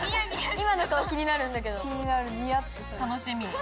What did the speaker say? ・・今の顔気になるんだけど・楽しみ！